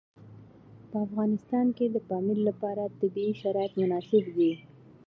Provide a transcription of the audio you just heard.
په افغانستان کې د پامیر لپاره طبیعي شرایط مناسب دي.